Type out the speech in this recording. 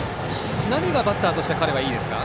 何がバッターとして彼はいいですか？